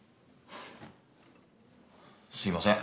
すいません。